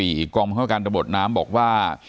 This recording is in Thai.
อีกกองพันธุ์การตะบดน้ำบอกว่า